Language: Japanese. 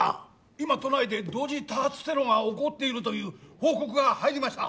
今都内で同時多発テロが起こっているという報告が入りました